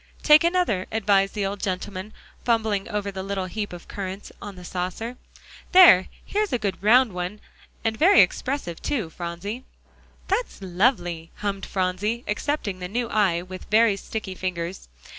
"Take another," advised the old gentleman, fumbling over the little heap of currants on the saucer. "There, here's a good round one, and very expressive, too, Phronsie." "That's lovely," hummed Phronsie, accepting the new eye with very sticky fingers.